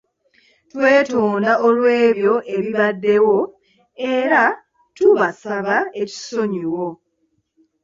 Twetonda olw'ebyo ebibaddewo, era tubasaba ekisonyiwo.